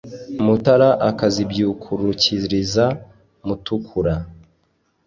mutara akazibyukurukiriza mutukura,